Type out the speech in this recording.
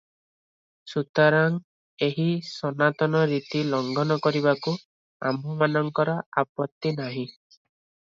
ସୁତରାଂ, ଏହି ସନାତନ ରୀତି ଲଙ୍ଘନ କରିବାକୁ ଆମ୍ଭମାନଙ୍କର ଆପତ୍ତି ନାହିଁ ।